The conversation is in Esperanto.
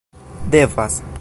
devas